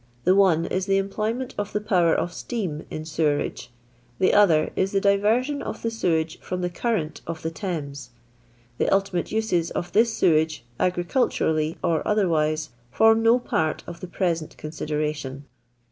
The one is the employment of the power of steam in sewerage ; the other is the diversion of the sewage from the current of the Thames. The ultimate uses of this sewage, agriculturally or otherwise, form no part of the present consideration.